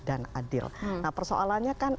dan adil nah persoalannya kan